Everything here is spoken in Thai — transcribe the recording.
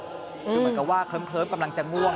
คือเหมือนกับว่าเคลิ้มกำลังจะง่วง